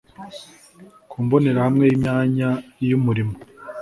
ku mbonerahamwe y'imyanya y'umurimo